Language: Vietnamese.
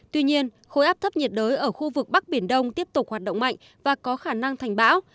tuy nhiên khối áp thấp nhiệt đới ở khu vực bắc biển đông tiếp tục hoạt động mạnh và có khả năng thành bão